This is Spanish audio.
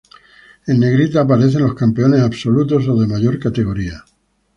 En negrita aparecen los campeones Absolutos o de mayor categoría.